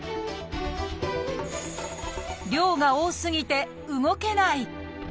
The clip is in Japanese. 量が多すぎて動けない！